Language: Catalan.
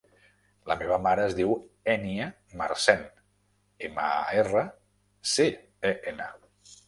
La meva mare es diu Ènia Marcen: ema, a, erra, ce, e, ena.